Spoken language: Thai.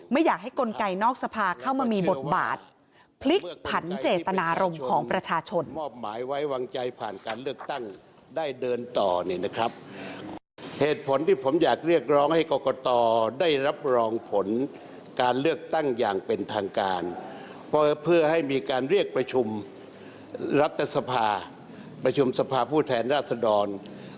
ไม่อยากให้กลไกนอกสภาเข้ามามีบทบาทพลิกผันเจตนารมณ์ของประชาชน